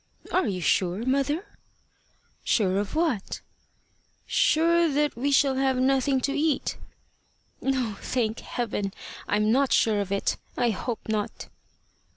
"Are you sure, mother?" "Sure of what?" "Sure that we shall have nothing to eat." "No, thank Heaven! I'm not sure of it. I hope not."